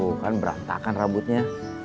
tuh kan berantakan rambutnya